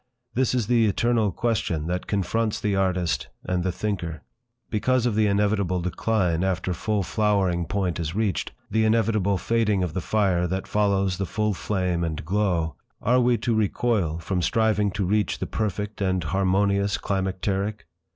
This is the eternal question that confronts the artist and the thinker. Because of the inevitable decline after full flowering point is reached, the inevitable fading of the fire that follows the full flame and glow, are we to recoil from striving to reach the perfect and harmonious climacteric?